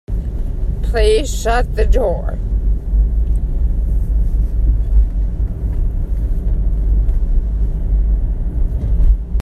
Please shut the door.